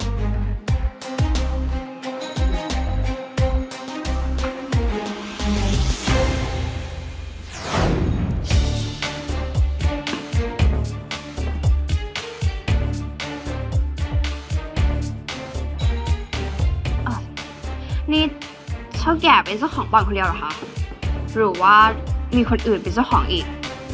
ค่ะนี่เจ้าแก่เป็นต้องของป่อนคนเดียวเหรอฮะหรือว่ามีคนอื่นเป็นต้องของอีก